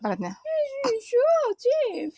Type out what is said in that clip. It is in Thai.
อ้าวเอาอะไร